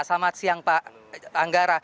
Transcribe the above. selamat siang pak anggara